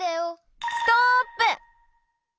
ストップ！